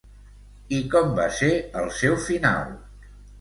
I com va ser el seu final?